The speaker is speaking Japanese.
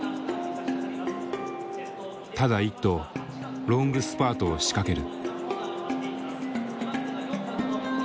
ただ一頭ロングスパートを仕掛ける。